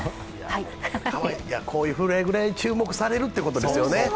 このくらい注目されるということですよね。